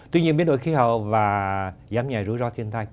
tuy nhiên biến đổi khí hậu và giám nhạy rủi ro thiên tai